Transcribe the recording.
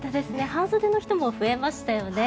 半袖の人も増えましたよね。